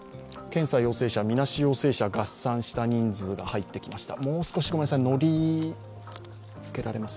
検査陽性者、みなし陽性者合算した人数が入ってきました。